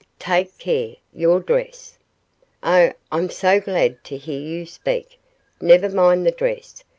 "Take care your dress " "Oh, I'm so glad to hear you speak! Never mind the dress!